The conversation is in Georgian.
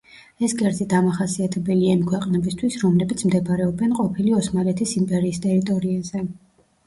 ეს კერძი დამახასიათებელია იმ ქვეყნებისთვის, რომლებიც მდებარეობენ ყოფილი ოსმალეთის იმპერიის ტერიტორიაზე.